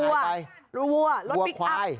บัวบัวควาย